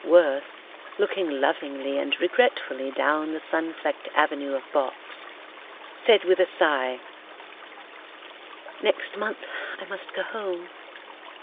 Worth, looking lovingly and regretfully down the sun flecked avenue of box, said with a sigh, "Next month I must go home.